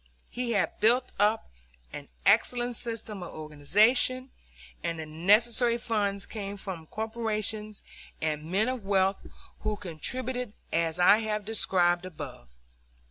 He had built up an excellent system of organization, and the necessary funds came from corporations and men of wealth who contributed as I have described above.